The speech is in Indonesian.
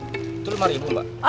itu rp lima mbak